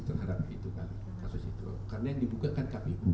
terhadap itu kan kasus itu karena yang dibuka kan kpu